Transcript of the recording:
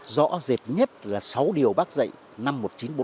rõ rệt nhất là sáu điều bác dạy năm một nghìn chín trăm bốn mươi